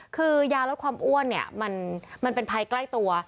คือยาลดความอ้วนเนี่ยมันเป็นภัยใกล้ตัว